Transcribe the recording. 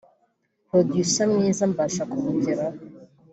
Producer mwiza mbasha kumugeraho